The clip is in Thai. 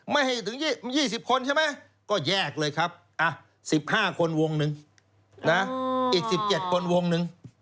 ไม่ให้ถึง๒๐คนใช่ไหมก็แยกเลยครับ๑๕คนวงหนึ่งนะอีก๑๗คนวงหนึ่ง